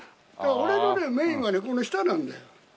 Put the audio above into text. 俺のねメインはねこの下なんだよ。